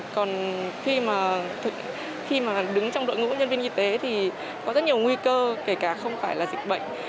còn khi mà khi mà đứng trong đội ngũ nhân viên y tế thì có rất nhiều nguy cơ kể cả không phải là dịch bệnh